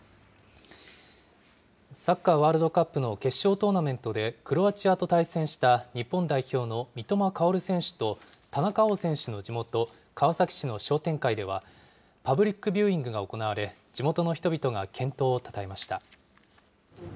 サッカーワールドカップの決勝トーナメントでクロアチアと対戦した日本代表の三笘薫選手と田中碧選手の地元、川崎市の商店会では、パブリックビューイングが行われ、地元の人々が検討をたたえました。